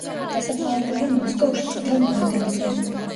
დასაფლავებულია მოსკოვში, წითელ მოედანზე.